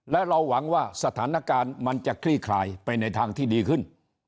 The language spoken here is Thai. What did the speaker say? และเราหวังว่าสถานการณ์มันจะคลี่คลายไปในทางที่ดีขึ้น